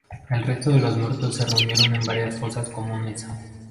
El resto de los muertos se reunieron en varias fosas comunes.